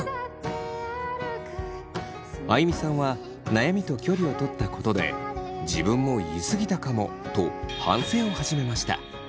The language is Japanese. あいみさんは悩みと距離をとったことで自分も言い過ぎたかもと反省を始めました。